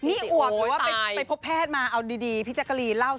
นี่อวบหรือว่าไปพบแพทย์มาเอาดีพี่แจ๊กกะรีนเล่า